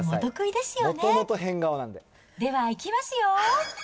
ではいきますよ。